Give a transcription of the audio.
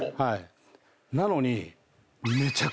なのに。